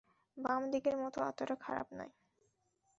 বাম দিকের মতো এতটা খারাপ নয়।